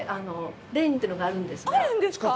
レンっていうのがあるんですが。